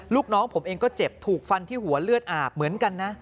ลูกน้องผมเองก็เจ็บถูกฟันที่หัวเลือดอาบเหมือนกันนะ